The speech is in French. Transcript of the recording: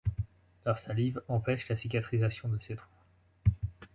Leur salive empêche la cicatrisation de ces trous.